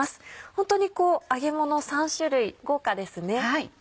ホントに揚げもの３種類豪華ですね。